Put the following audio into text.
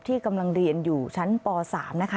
กำลังเรียนอยู่ชั้นป๓นะคะ